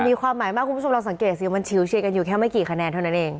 มีความหมายมากคุณผู้ชมลองสังเกตสิมันชิวเชียร์กันอยู่แค่ไม่กี่คะแนนเท่านั้นเอง